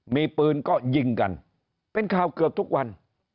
มีปืนก็ยิงกันเป็นข่าวเกือบทุกวัน